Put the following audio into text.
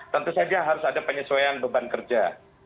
tentu saja harus ada penyesuaian beban kerja